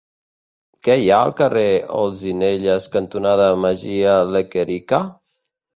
Què hi ha al carrer Olzinelles cantonada Mejía Lequerica?